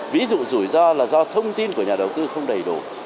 ví dụ rủi ro là do thông tin của nhà đầu tư không đầy đủ